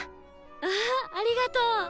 わありがとう！